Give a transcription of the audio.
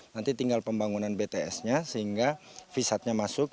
nanti tinggal pembangunan bts nya sehingga visatnya masuk